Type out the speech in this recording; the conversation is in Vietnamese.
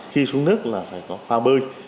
khi xuống nước là phải có pha bơi